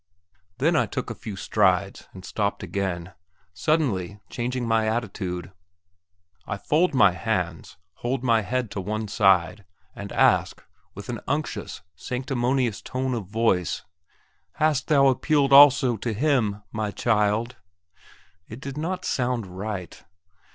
Then I took a few strides, and stopped again. Suddenly, changing my attitude, I fold my hands, hold my head to one side, and ask, with an unctuous, sanctimonious tone of voice: "Hast thou appealed also to him, my child?" It did not sound right!